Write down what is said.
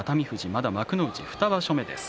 まだ幕内２場所目です。